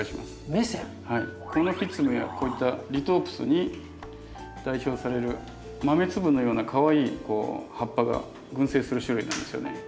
はいコノフィツムやこういったリトープスに代表される豆粒のようなかわいい葉っぱが群生する種類なんですよね。